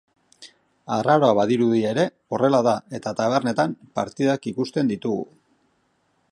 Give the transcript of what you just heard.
Arraroa badirudi ere horrela da eta tabernetan partidak ikusten ditugu.